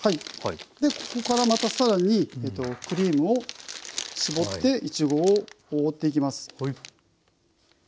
ここからまた更にクリームを絞っていちごを覆っていきます。